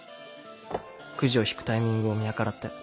くじを引くタイミングを見計らって。